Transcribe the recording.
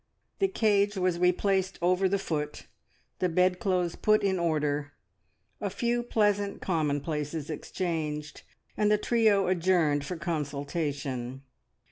The cage was replaced over the foot, the bedclothes put in order, a few pleasant commonplaces exchanged, and the trio adjourned for consultation.